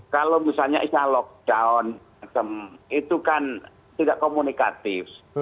kalau misalnya lockdown itu kan tidak komunikatif